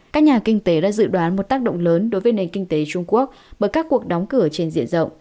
các nhà kinh tế đã dự đoán một tác động lớn đối với nền kinh tế trung quốc bởi các cuộc đóng cửa trên diện rộng